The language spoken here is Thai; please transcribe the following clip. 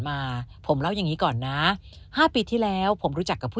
มาผมเล่าอย่างนี้ก่อนนะ๕ปีที่แล้วผมรู้จักกับผู้